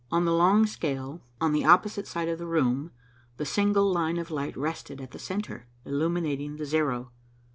On the long scale, on the opposite side of the room, the single line of light rested at the centre, illuminating the zero.